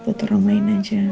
buat orang lain aja